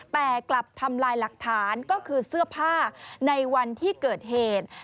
แต่กลับทำลายหลักฐานก็คือเสื้อผ้าในวันที่เกิดเหตุ